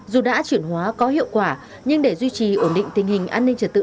dù đã chuyển hóa có hiệu quả nhưng để duy trì ổn định tình hình an ninh trật tự